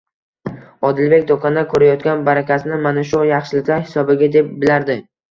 Odilbek do'kondan ko'rayotgan barakasini mana shu yaxshiliklar hisobiga deb bilardi.